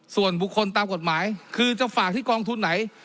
ส่วนบุคคลตามกฎหมายคือจะฝากที่กองทุนไหน